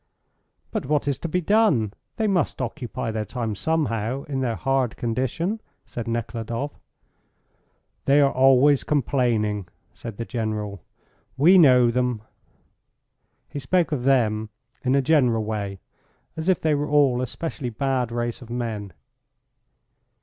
"But what is to be done? They must occupy their time somehow in their hard condition," said Nekhludoff. "They are always complaining," said the General. "We know them." He spoke of them in a general way, as if they were all a specially bad race of men.